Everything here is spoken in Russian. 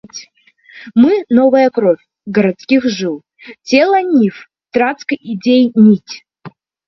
Мы новая кровь городских жил, тело нив, ткацкой идей нить.